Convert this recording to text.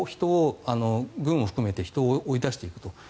軍を含めて人を追い出していくと。